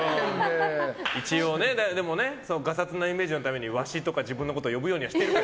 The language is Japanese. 一応ねガサツなイメージのためにわしとか自分のこと呼ぶようにはしてるんだ。